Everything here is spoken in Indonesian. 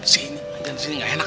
sini disini gak enak